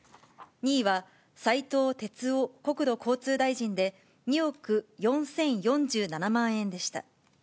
２位は斉藤鉄夫国土交通大臣で、２億４０４７万円でした。